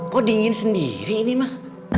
kok dingin sendiri ini mah